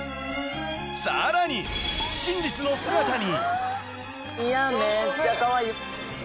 更に真実の姿に。